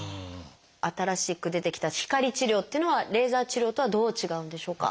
新しく出てきた光治療っていうのはレーザー治療とはどう違うんでしょうか？